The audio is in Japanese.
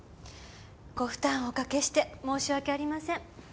ご負担をお掛けして申し訳ありません。